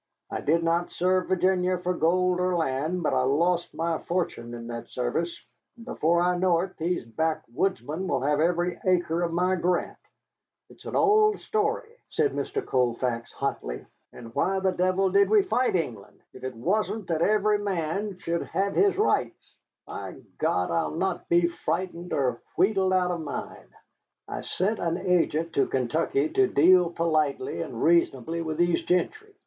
I did not serve Virginia for gold or land, but I lost my fortune in that service, and before I know it these backwoodsmen will have every acre of my grant. It's an old story," said Mr. Colfax, hotly, "and why the devil did we fight England if it wasn't that every man should have his rights? By God, I'll not be frightened or wheedled out of mine. I sent an agent to Kentucky to deal politely and reasonably with these gentry.